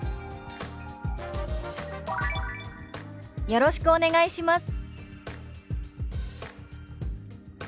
「よろしくお願いします」。